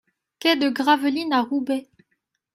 Quai de Gravelines à Roubaix